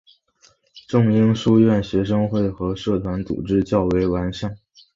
仲英书院的学生会和社团组织较为完善。